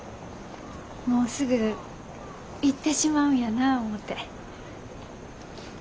もうすぐ行ってしまうんやなあ思て。